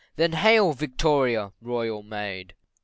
Then hail, Victoria, Royal Maid, &c.